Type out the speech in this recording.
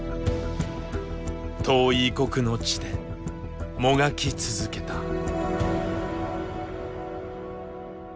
遠い異国の地でもがき続けた。